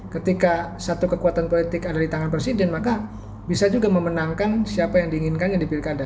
ketika satu kekuatan politik ada di tangan presiden maka bisa juga memenangkan siapa yang diinginkannya di pilkada